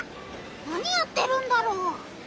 何やってるんだろう？